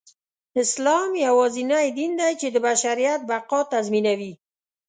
اسلام يواځينى دين دى، چې د بشریت بقاﺀ تضمينوي.